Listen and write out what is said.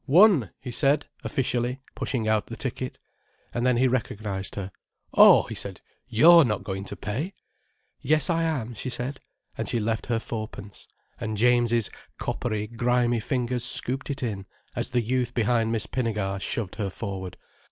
"One!" he said officially, pushing out the ticket. And then he recognized her. "Oh," he said, "You're not going to pay." "Yes I am," she said, and she left her fourpence, and James's coppery, grimy fingers scooped it in, as the youth behind Miss Pinnegar shoved her forward.